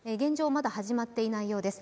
まだ始まっていないようです。